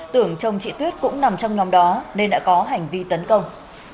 tưởng chồng chị tuyết cũng nằm trong nhóm đó nên đã có hành vi tấn công